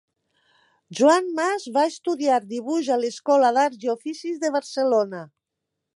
Joan Mas va estudiar dibuix a l'escola d'arts i oficis de Barcelona.